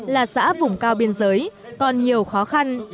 là xã vùng cao biên giới còn nhiều khó khăn